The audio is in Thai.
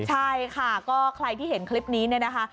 ใช่ค่ะก็ใครที่เห็นคลิปนี้เนี่ยนะคะ